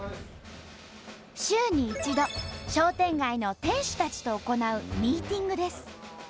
週に１度商店街の店主たちと行うミーティングです。